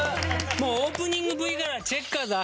もうオープニングＶからチェッカーズ圧勝でしたね。